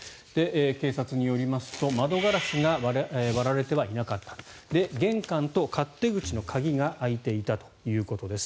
警察によりますと窓ガラスが割られてはいなかった玄関と勝手口の鍵が開いていたということです。